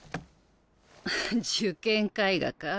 受験絵画か。